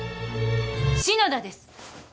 篠田です。